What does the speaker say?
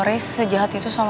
ray sejahat itu sama kamu